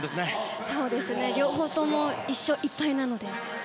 両方とも１勝１敗なので。